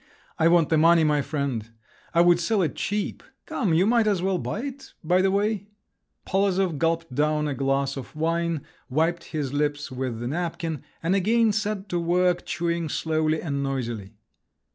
"I want the money, my friend. I would sell it cheap. Come, you might as well buy it … by the way." Polozov gulped down a glass of wine, wiped his lips with the napkin, and again set to work chewing slowly and noisily.